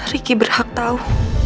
dia juga sayang sama keisha